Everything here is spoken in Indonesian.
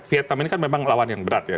vietnam ini kan memang lawan yang berat ya